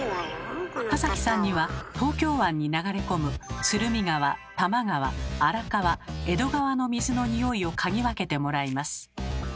田崎さんには東京湾に流れ込む鶴見川多摩川荒川江戸川の水のニオイを嗅ぎ分けてもらいます。